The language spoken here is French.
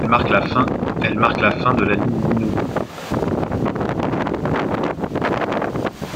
Elle marque la fin de la ligne Minobu.